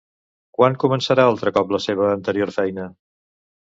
Quan començarà altre cop la seva anterior feina?